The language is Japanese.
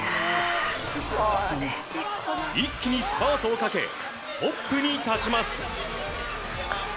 一気にスパートをかけトップに立ちます。